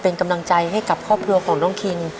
เป็นกำลังใจให้กับครอบครัวของน้องคิง